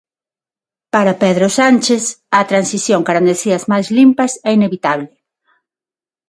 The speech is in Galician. Para Pedro Sánchez, a transición cara a enerxías máis limpas é inevitable.